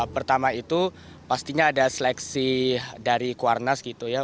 pertama itu pastinya ada seleksi dari kuarnas gitu ya